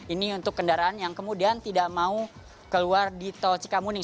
ini untuk kendaraan yang kemudian tidak mau keluar di tol cikamuni